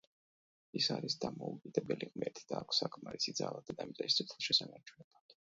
ის არის დამოუკიდებელი ღმერთი და აქვს საკმარისი ძალა დედამიწაზე სიცოცხლის შესანარჩუნებლად.